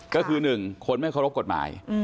ก็คือ๑คนไม่เคารพกฎหมาย